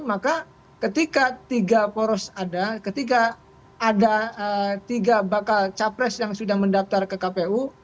maka ketika tiga poros ada ketika ada tiga bakal capres yang sudah mendaftar ke kpu